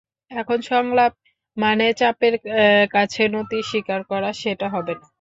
এখন সংলাপ মানে চাপের কাছে নতি স্বীকার করা, সেটা হবে না।